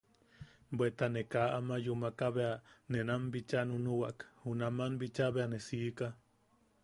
Bweta ne kaa ama yumaka bea, ne nam bicha ne nunuwak, junaman bicha bea ne siika.